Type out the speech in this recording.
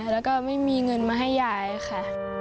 แล้วก็ไม่มีเงินมาให้ยายค่ะ